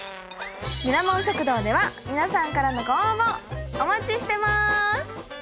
ミラモン食堂では皆さんからのご応募お待ちしてます。